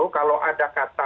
kalau ada kata